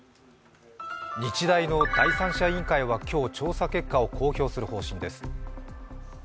日大の第三者委員会は今日調査結果を公表する方針です。